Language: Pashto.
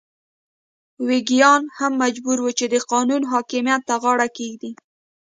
ویګیان هم مجبور وو چې د قانون حاکمیت ته غاړه کېږدي.